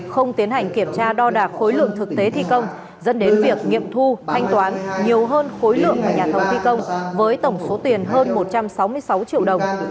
không tiến hành kiểm tra đo đạc khối lượng thực tế thi công dẫn đến việc nghiệm thu thanh toán nhiều hơn khối lượng mà nhà thầu thi công với tổng số tiền hơn một trăm sáu mươi sáu triệu đồng